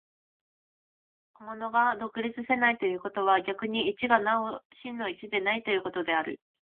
個物が独立せないということは、逆に一がなお真の一でないということである。